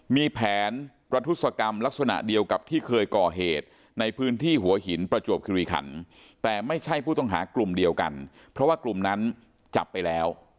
มีแผนประทุศกรรมลักษณะเดียวกับที่เคยก่อเหตุในพื้นที่หัวหินประจวบคิริขันแต่ไม่ใช่ผู้ต้องหากลุ่มเดียวกันเพราะว่ากลุ่มนั้นจับไปแล้ว